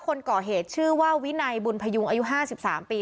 คนก่อเหตุชื่อว่าวินัยบุลพยุงอายุห้าสิบสามปี